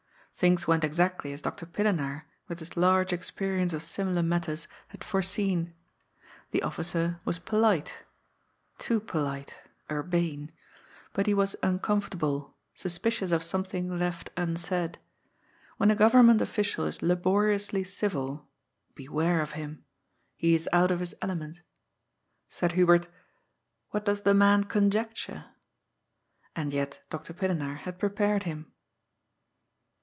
Things went exactly as Dr. Pillenaar, with his large experience of similar matters, had foreseen. The Officer was polite — too polite, urbane — ^bnt he was uncomfortable, suspicious of something left unsaid. When a government official is laboriously civil, beware of him. He is out of his element. Said Hubert :" What does the man conjecture? " And yet Dr. Pillenaar had prepared him.